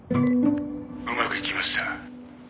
「うまくいきました」